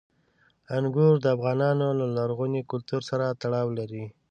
انګور د افغانانو له لرغوني کلتور سره تړاو لري.